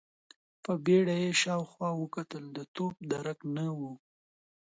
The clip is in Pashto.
په بيړه يې شاوخوا وکتل، د توپ درک نه و.